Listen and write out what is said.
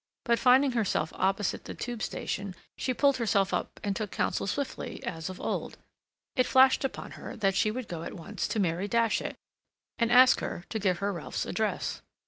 But finding herself opposite the Tube station, she pulled herself up and took counsel swiftly, as of old. It flashed upon her that she would go at once to Mary Datchet, and ask her to give her Ralph's address.